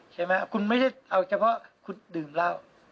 ใช่ไหมคุณไม่ได้เอาเฉพาะคุณดื่มเหล้า